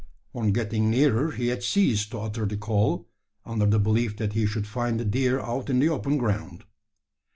On getting nearer he had ceased to utter the call, under the belief that he should find the deer out in the open ground.